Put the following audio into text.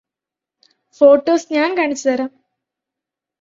photos ഞാന് കാണിച്ചു തരാം